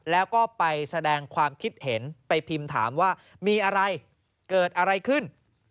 แล้วก็ไปแสดงความคิดเห็นไปพิมพ์ถามว่ามีอะไรเกิดอะไรขึ้น